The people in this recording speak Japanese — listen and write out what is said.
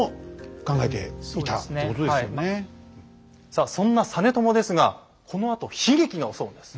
さあそんな実朝ですがこのあと悲劇が襲うんです。